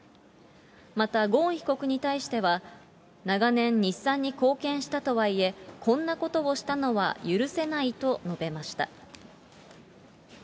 またゴーン被告に対しては、長年、日産に貢献したとはいえ、こんなことをしたのは許せないと述べました。